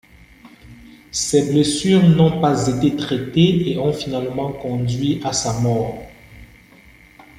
Ses blessures n'ont pas été traitées et ont finalement conduit à sa mort.